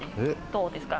どうですか？